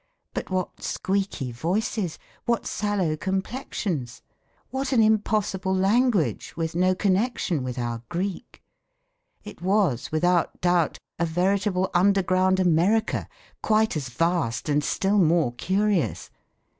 But what squeaky voices! What sallow complexions! What an impossible language with no connection with our Greek! It was, without doubt, a veritable underground America, quite as vast and still more curious.